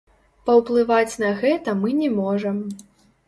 Паўплываць на гэта мы не можам.